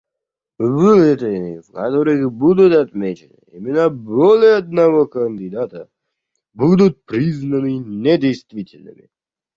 Бюллетени, в которых будут отмечены имена более одного кандидата, будут признаны недействительными.